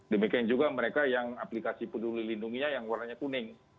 demikian juga mereka yang aplikasi peduli lindunginya yang warnanya kuning